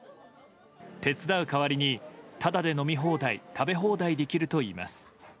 手伝う代わりに、ただで飲み放題食べ放題できるといいます。